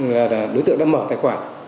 là đối tượng đã mở tài khoản